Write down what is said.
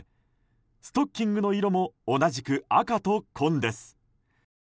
ストッキングの色も同じく赤と紺です。